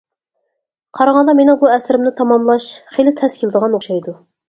قارىغاندا مېنىڭ بۇ ئەسىرىمنى تاماملاش خېلى تەس كېلىدىغان ئوخشايدۇ.